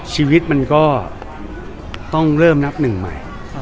ชีวิตมันก็ต้องเริ่มนับหนึ่งใหม่